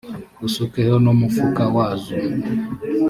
usukeho n’ umufa wazo.